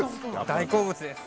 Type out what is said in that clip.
大好物です。